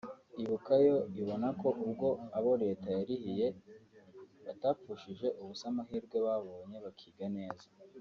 Ibuka yo ibona ko ubwo abo leta yarihiriye batapfushije ubusa amahirwe babonye bakiga neza